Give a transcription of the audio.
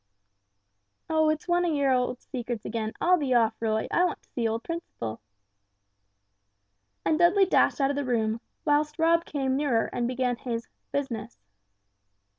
"Oh, it's one of your secrets again. I'll be off, Roy, I want to see old Principle!" And Dudley dashed out of the room, whilst Rob came nearer and began his "business."